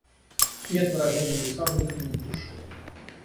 Нет выражения лица в них, нет души.